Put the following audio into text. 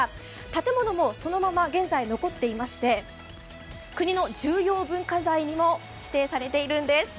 建物もそのまま現在残っていまして国の重要文化財にも指定されているんです。